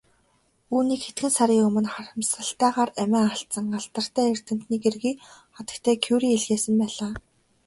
Үүнийг хэдхэн сарын өмнө харамсалтайгаар амиа алдсан алдартай эрдэмтний гэргий хатагтай Кюре илгээсэн байлаа.